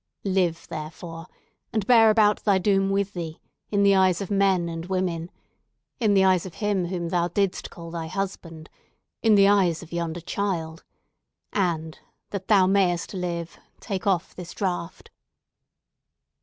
"Live, therefore, and bear about thy doom with thee, in the eyes of men and women—in the eyes of him whom thou didst call thy husband—in the eyes of yonder child! And, that thou mayest live, take off this draught."